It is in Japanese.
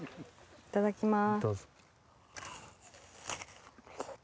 いただきます